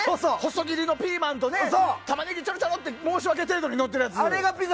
細切りのピーマンと玉ねぎちょろっと申し訳程度にのってるやつ。